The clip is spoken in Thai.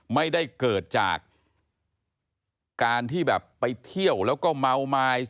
ไม่ได้เกิดจากการที่แบบไปเที่ยวแล้วก็เมาไม้